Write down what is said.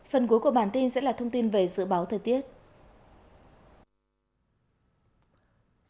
phần cuối của bản tin sẽ là thông tin về dự báo thời tiết